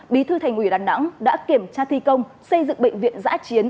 bí thư thành ủy đà nẵng đã kiểm tra thi công xây dựng bệnh viện giã chiến